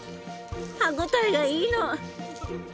歯応えがいいの！